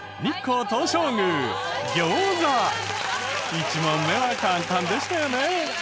１問目は簡単でしたよね。